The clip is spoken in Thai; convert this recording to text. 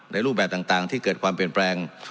รูปแบบต่างที่เกิดความเปลี่ยนแปลง